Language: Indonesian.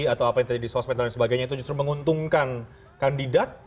atau apa yang terjadi di sosmed dan sebagainya itu justru menguntungkan kandidat